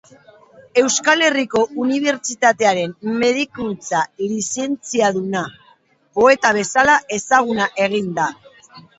Euskal Herriko Unibertsitatearen Medikuntza lizentziaduna, poeta bezala ezaguna egin da.